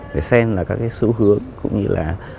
để xem là các cái xu hướng cũng như là